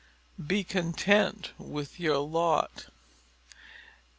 _Be content with your lot.